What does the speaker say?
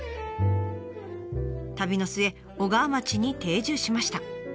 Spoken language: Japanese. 旅の末小川町に定住しました。